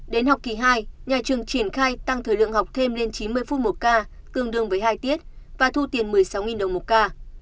đến học kỳ hai nhà trường triển khai tăng thời lượng học thêm lên chín mươi phút một ca tương đương với hai tiết và thu tiền một mươi sáu đồng một ca